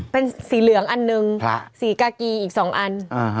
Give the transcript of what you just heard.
เป็นสีเหลืองอันหนึ่งสีกากีอีก๒อัน